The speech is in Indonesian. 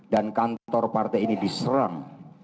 dan kantor partai ini diserang